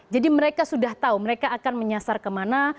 jadi mereka sudah tahu mereka akan menyasar kemana